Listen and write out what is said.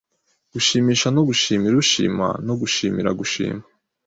Gushima no gushimira ushima no gushimira Gushima